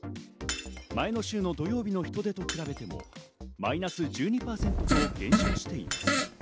前の週の土曜日の人出と比べてみてもマイナス１２％と減少しています。